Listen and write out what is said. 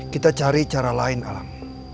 kita cari cara lain alam